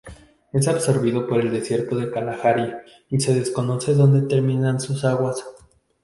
Es absorbido por el desierto de Kalahari y se desconoce dónde terminan sus aguas.